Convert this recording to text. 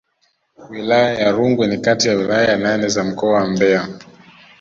Wilaya ya Rungwe ni kati ya wilaya nane za mkoa wa Mbeya